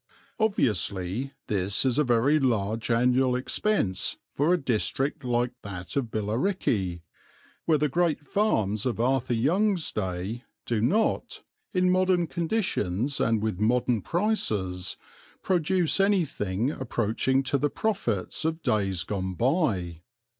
Obviously this is a very large annual expense for a district like that of Billericay, where the great farms of Arthur Young's day do not, in modern conditions and with modern prices, produce anything approaching to the profits of days gone by.